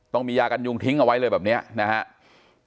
ต้องมียากันยุงทิ้งเอาไว้เลยแบบนี้นะครับ